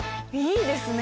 いいですね！